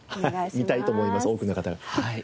見たいと思います多くの方が。